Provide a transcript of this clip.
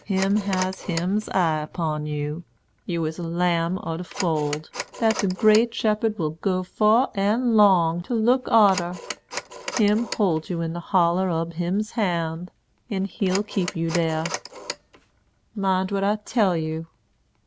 Him has Him's eye upon you. You is a lamb ob de fold, dat de great Shepherd will go fur and long to look arter. Him holds you in the holler ob Him's hand, an' He'll keep you dar. Mind what I tell you.